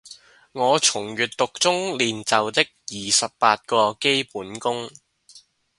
我從閱讀中練就的二十八個基本功